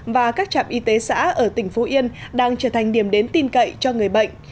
và các trạm y tế xã ở tỉnh phú yên đang trở thành điểm đến tin cậy cho người bệnh